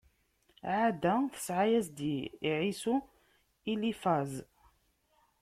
Ɛada tesɛa-yas-d i Ɛisu: Ilifaz.